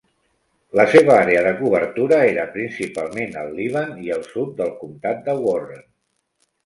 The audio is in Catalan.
La seva àrea de cobertura era principalment el Líban i el sud del comtat de Warren.